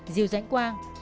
diêu giãnh quang